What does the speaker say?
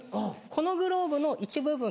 このグローブの一部分